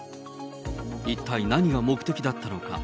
一体何が目的だったのか。